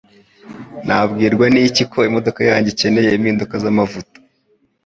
Nabwirwa n'iki ko imodoka yanjye ikeneye impinduka zamavuta?